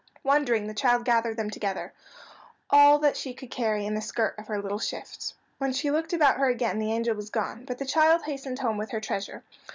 Wondering, the child gathered them together—all that she could carry in the skirt of her little shift. When she looked about her again the angel was gone, but the child hastened home with her treasure.